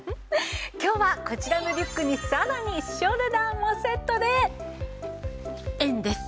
今日はこちらのリュックにさらにショルダーもセットで円です。